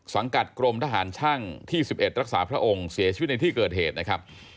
สังกัดกรมทหารช่างที่๑๑รักษาพระองค์เสียชีวิตในที่เกิดเหตุนะครับ